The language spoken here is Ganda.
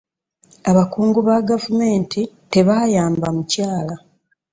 Abakungu ba gavumenti tebaayamba mukyala .